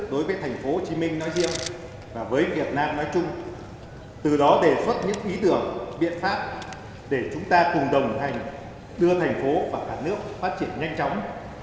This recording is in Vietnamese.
đối với tp hcm nói riêng và với việt nam nói chung